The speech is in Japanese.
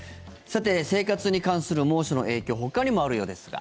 生活に関する猛暑の影響ほかにもあるようですが。